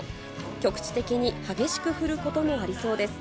局地的に激しく降ることもありそうです。